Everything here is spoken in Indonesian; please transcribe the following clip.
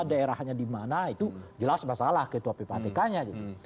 daerahnya di mana itu jelas masalah ketua ppatk nya gitu